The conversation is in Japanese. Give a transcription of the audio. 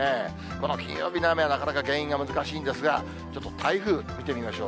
この金曜日の雨はなかなか原因が難しいんですが、ちょっと台風、見てみましょう。